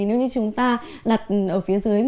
nếu như chúng ta đặt ở phía dưới